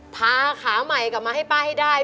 ขาใหม่กลับมาให้ป้าให้ได้